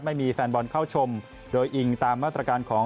ไม่มีแฟนบอลเข้าชมโดยอิงตามมาตรการของ